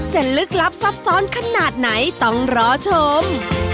ลึกลับซับซ้อนขนาดไหนต้องรอชม